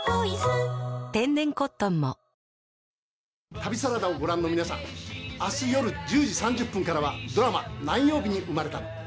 旅サラダをご覧の皆さん、あす夜１０時３０分からは、ドラマ「何曜日に生まれたの」。